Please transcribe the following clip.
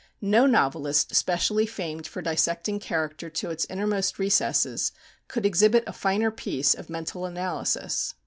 No novelist specially famed for dissecting character to its innermost recesses could exhibit a finer piece of mental analysis.